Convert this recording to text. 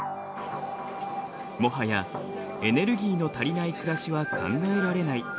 もはやエネルギーの足りない暮らしは考えられない。